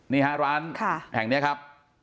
นี่ฮะร้านแห่งนี้ครับ